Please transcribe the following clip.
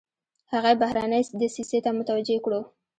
هغې بهرنۍ دسیسې ته متوجه کړو.